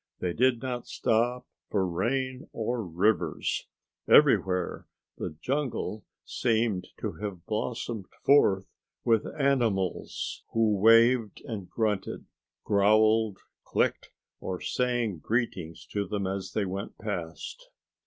They did not stop for rain or rivers. Everywhere the jungle seemed to have blossomed forth with animals, who waved and grunted, growled, clicked, or sang greetings to them as they went past.